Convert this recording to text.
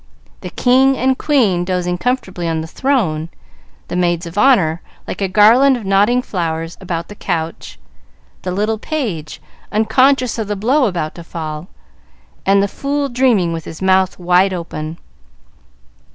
The "King" and "Queen" dozing comfortably on the throne; the maids of honor, like a garland of nodding flowers, about the couch; the little page, unconscious of the blow about to fall, and the fool dreaming, with his mouth wide open.